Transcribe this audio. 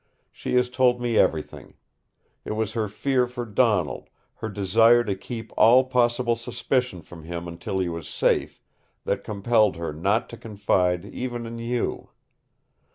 She has told me everything. It was her fear for Donald, her desire to keep all possible suspicion from him until he was safe, that compelled her not to confide even in you.